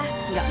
eh ya ampun